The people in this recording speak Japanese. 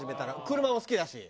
車も好きだし。